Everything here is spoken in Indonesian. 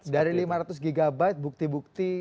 dari lima ratus gb bukti bukti